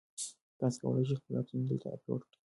تاسي کولای شئ خپل عکسونه دلته اپلوډ کړئ.